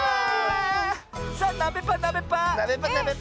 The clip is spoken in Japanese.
さあなべパなべパ！